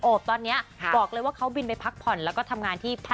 โอปตอนนี้บอกเลยว่าเขาบินไปพักผ่อน